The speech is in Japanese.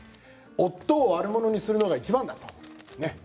夫を悪者にするのがいちばんだと。